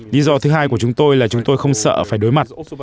lý do thứ hai của chúng tôi là chúng tôi không sợ phải đối mặt